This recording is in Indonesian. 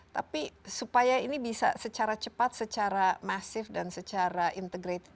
tapi supaya ini bisa secara cepat secara masif dan secara integrated